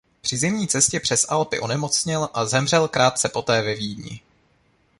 Při zimní cestě přes Alpy onemocněl a zemřel krátce poté ve Vídni.